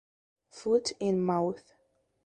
Foot in mouth.